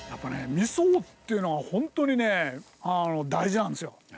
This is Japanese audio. みそっていうのは本当にねあの大事なんですよ。